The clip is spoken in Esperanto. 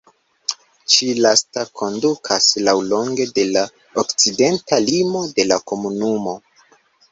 Ĉi-lasta kondukas laŭlonge de la okcidenta limo de la komunumo.